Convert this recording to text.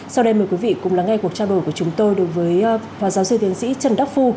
sau đây mời quý vị cùng lắng nghe cuộc trao đổi của chúng tôi đối với phó giáo sư tiến sĩ trần đắc phu